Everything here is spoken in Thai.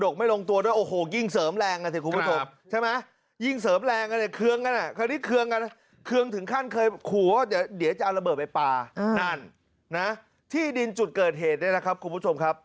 สาวนงนุษย์นะครับข้อมูลจากข่าวนะ